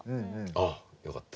ああよかった。